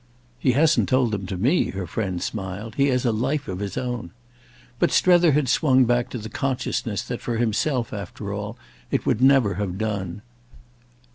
"He hasn't told them to me," her friend smiled, "he has a life of his own." But Strether had swung back to the consciousness that for himself after all it never would have done.